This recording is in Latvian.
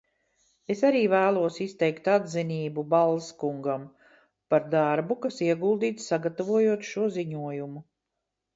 Es arī vēlos izteikt atzinību Balz kungam par darbu, kas ieguldīts, sagatavojot šo ziņojumu.